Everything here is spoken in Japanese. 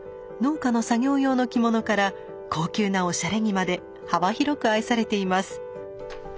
農家の作業用の着物から高級なおしゃれ着まで幅広く愛されています。